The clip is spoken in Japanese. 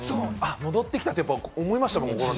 戻ってきたって思いましたもん。